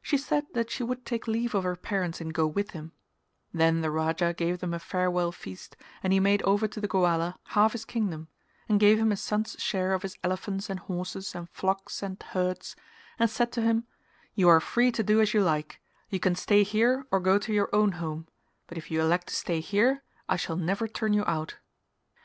She said that she would take leave of her parents and go with him; then the Raja gave them a farewell feast and he made over to the Goala half his kingdom, and gave him a son's share of his elephants and horses and flocks and herds and said to him "You are free to do as you like: you can stay here or go to your own home; but if you elect to stay here, I shall never turn you out."